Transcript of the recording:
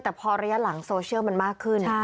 แต่พอระยะหลังโซเชียลมันมากขึ้น